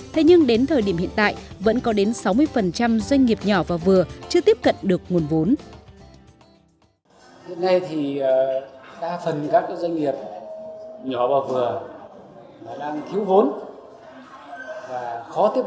thế nhưng đến thời điểm hiện tại vẫn có đến sáu mươi doanh nghiệp nhỏ và vừa chưa tiếp cận được nguồn vốn